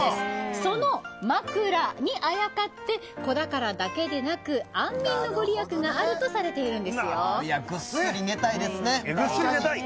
その枕にあやかって子宝だけでなく安眠の御利益があるぐっすり寝たいですね。